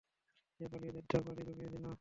সে পালিয়ে জেদ্দা পারি জমিয়েছিল।